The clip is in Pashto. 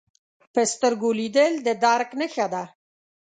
په سترګو لیدل د درک نښه ده